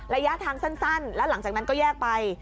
ระยะทางสั้นแล้วหลังจากนั้นก็แยกไป